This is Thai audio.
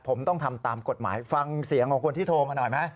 ผมต้องทำตามกฎหมายฟังเสียงของคนที่โทรมาหน่อยไหม